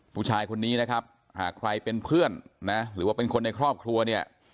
ผู้ชายคนนี้นะครับหากใครเป็นเพื่อนนะหรือว่าเป็นคนในครอบครัวเนี่ย